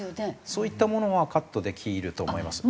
そういったものはカットできると思います。